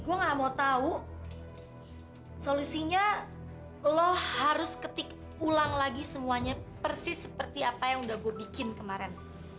gue gak mau tahu solusinya lo harus ketik ulang lagi semuanya persis seperti apa yang udah gue bikin kemarin